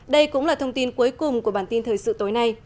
đây cũng là thông tin cuối cùng của bản tin thời sự tối nay